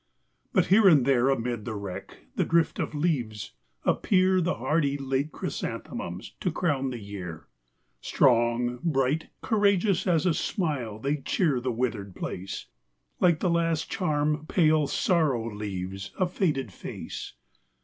But here and there amid the wreck, The drift of leaves, appear The hardy late chrysanthemums To crown the year. Strong, bright, courageous, as a smile They cheer the withered place ; Like the last charm pale Sorrow leaves A faded face.